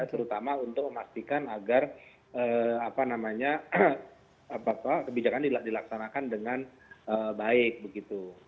terutama untuk memastikan agar kebijakan dilaksanakan dengan baik begitu